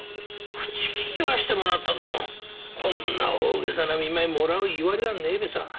口利きはしてもらったどもこんな大げさな見舞いもらういわれはねえべさ。